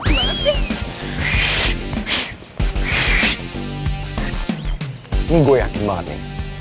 ini gue yakin banget nih